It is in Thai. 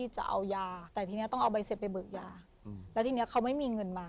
จะเอายาแต่ทีนี้ต้องเอาใบเสร็จไปเบิกยาแล้วทีนี้เขาไม่มีเงินมา